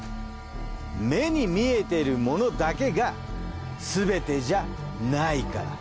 目に見えているものだけがすべてじゃないから。